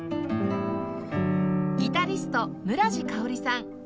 ギタリスト村治佳織さん